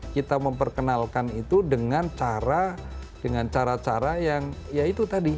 kita memperkenalkan itu dengan cara dengan cara cara yang ya itu tadi